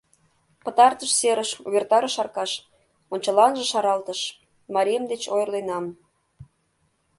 — Пытартыш серыш! — увертарыш Аркаш, ончыланже шаралтыш: — «Марием деч ойырленам.